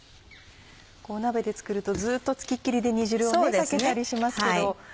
鍋で作るとずっと付きっきりで煮汁をかけたりしますけど。